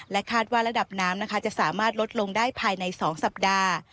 คาดว่าระดับน้ำนะคะจะสามารถลดลงได้ภายใน๒สัปดาห์